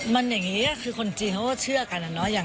มันอย่างนี้คือคนจีนเขาก็เชื่อกันอะเนาะ